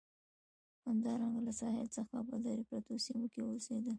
همدارنګه له ساحل څخه په لرې پرتو سیمو کې اوسېدل.